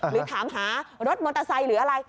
หรือถามหารถมอเตอร์ไซค์หรืออะไร